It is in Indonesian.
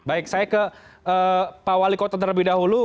baik saya ke pak wali kota terlebih dahulu